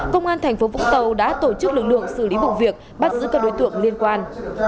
công an tp vũ tàu đã tổ chức lực lượng xử lý bộ việc bắt giữ các đối tượng liên quan